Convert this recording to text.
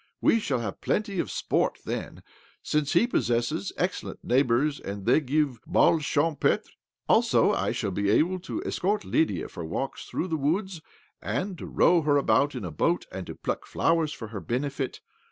We shall have plenty of sport there, since he possesses ex cellent neighbours and they give beds cham petres. Also. I shall be able to escort Lydia for walks through the woods, and to row her about in a boat, and to pluck flowers for her benefit.